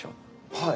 はい。